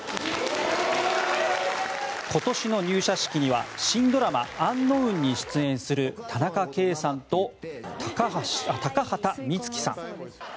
今年の入社式には新ドラマ「ｕｎｋｎｏｗｎ」に出演する田中圭さんと高畑充希さん。